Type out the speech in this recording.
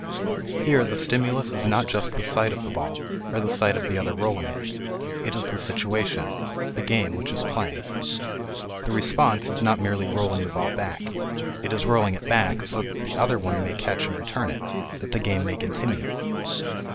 Here the stimulus is not just the sight of the ball, or the sight of the other rolling it. It is the situation the game which is playing. The response is not merely rolling the ball back; it is rolling it back so that the other one may catch and return it, that the game may continue.